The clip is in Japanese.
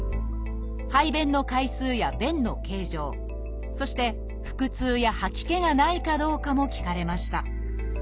排便の回数や便の形状そして腹痛や吐き気がないかどうかも聞かれました